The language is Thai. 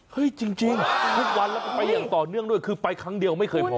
จริงทุกวันแล้วก็ไปอย่างต่อเนื่องด้วยคือไปครั้งเดียวไม่เคยพอ